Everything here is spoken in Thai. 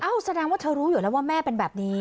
แสดงว่าเธอรู้อยู่แล้วว่าแม่เป็นแบบนี้